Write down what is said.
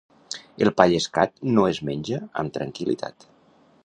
El pa llescat no es menja amb tranquil·litat.